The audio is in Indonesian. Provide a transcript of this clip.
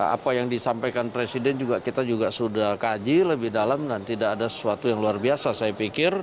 apa yang disampaikan presiden kita juga sudah kaji lebih dalam dan tidak ada sesuatu yang luar biasa saya pikir